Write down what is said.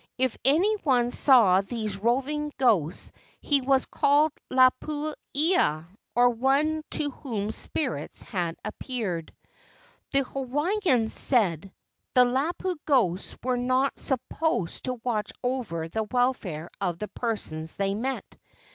If any one saw these roving ghosts he was called lapu ia, or one to whom spirits had appeared. The Hawaiians said: "The lapu ghosts were not supposed to watch over the welfare of the persons they met.